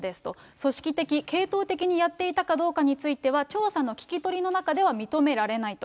組織的、系統的にやっていたかどうかについては、調査の聞き取りの中では認められないと。